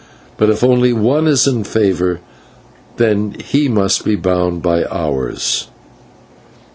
But if only one is in favour, then he must be bound by ours."